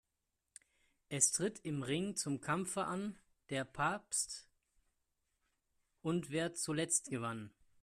Es tritt im Ring zum Kampfe an: Der Papst und wer zuletzt gewann.